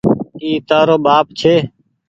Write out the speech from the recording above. اي تآرو ٻآپ ڇي۔